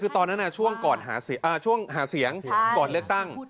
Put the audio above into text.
คือตอนนั้นช่วงหาเสียงก่อนเลือกตั้ง